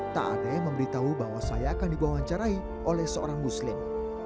tak ada yang memberitahu bahwa saya akan diwawancarai oleh seorang muslim